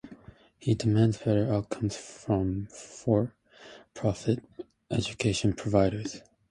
He demands better outcomes from for-profit education providers.